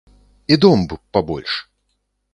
І дом б пабольш.